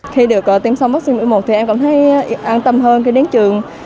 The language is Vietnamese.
khi được tiêm xong vaccine một mươi một thì em cảm thấy an tâm hơn khi đến trường